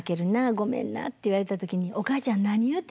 ごめんな」って言われた時に「おかあちゃん何言うてんの。